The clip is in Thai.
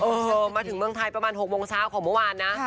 โอ้โหมาถึงเมืองไทยประมาณ๖โมงเช้าของเมื่อวานนะ